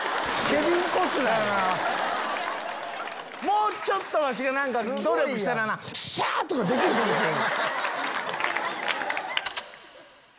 もうちょっとワシが努力したらシャ！とかできるかもしれん。